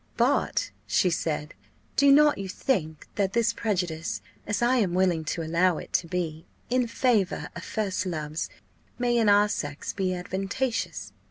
"But," said she, "do not you think that this prejudice, as I am willing to allow it to be, in favour of first loves, may in our sex be advantageous?